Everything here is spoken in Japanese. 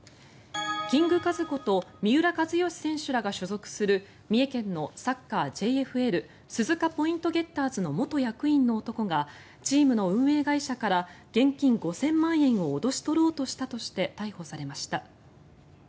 キングカズこと三浦知良選手らが所属する三重県のサッカーＪＦＬ鈴鹿ポイントゲッターズの元役員の男がチームの運営会社から現金５０００万円を脅し取ろうとしたとして逮捕されました。